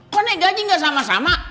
kok naik gaji gak sama sama